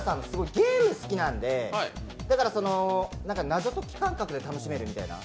ゲーム好きなんでだから、謎解き感覚で楽しめるみたいな。